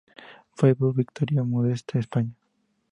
Facebook Viktoria Modesta España